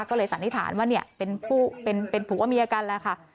ก็เลยสันนิษฐานว่าเนี่ยเป็นผู้เป็นเป็นผัวเมียกันแล้วค่ะ